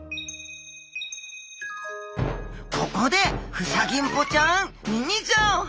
ここでフサギンポちゃんミニ情報！